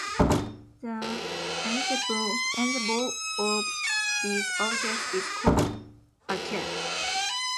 The ensemble of these objects is called a jet.